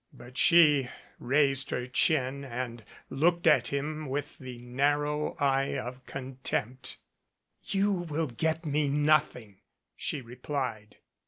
But she raised her chin and looked at him with the narrow eye of contempt. "You will get me nothing," she replied.